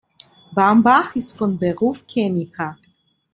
Baumbach ist von Beruf Chemiker.